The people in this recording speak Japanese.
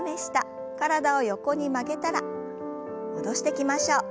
体を横に曲げたら戻してきましょう。